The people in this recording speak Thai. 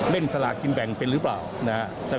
สลากินแบ่งเป็นหรือเปล่านะครับ